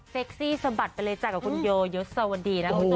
เซ็กซี่สะบัดไปเลยจากกับคุณโยยสวัสดีนะคุณผู้ชมค่ะ